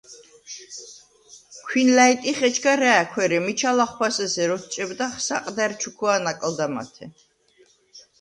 ქვინ ლა̈ჲტიხ, ეჩქა რა̄̈ქვ, ერე მიჩა ლახვბას ესერ ოთჭებდახ საყდა̈რ ჩუქვა̄ნ აკლდამათე.